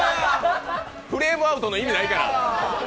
フレームアウトの意味ないから。